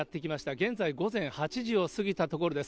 現在午前８時を過ぎたところです。